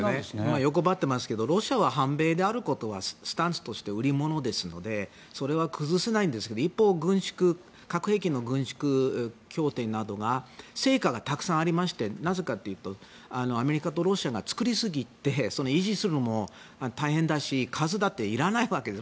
欲張ってますけどロシアは反米であることはスタンスとして売り物ですのでそれは崩せないんですけど一方、軍縮核兵器の軍縮協定などが成果がたくさんありましてなぜかというとアメリカとロシアが作りすぎて維持するのも大変だし数だっていらないわけです。